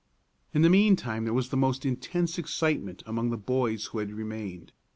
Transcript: In the mean time there was the most intense excitement among the boys who had remained.